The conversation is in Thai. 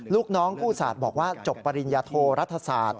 ลูกน้องกู้สัตว์บอกว่าจบปริญญโธรัฐศาสตร์